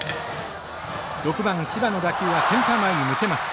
６番柴の打球はセンター前に抜けます。